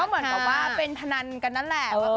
เหมือนกับว่าเป็นพนันกันนั่นแหละ